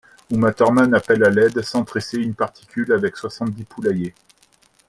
Uma Thurman appelle à l'aide sans tresser une particule avec soixante-dix poulaillers.